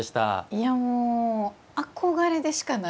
いやもう憧れでしかないですね。